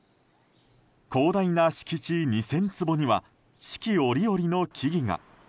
広大な敷地２０００坪には四季折々の木々が。